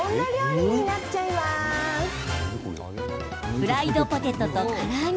フライドポテトとから揚げ。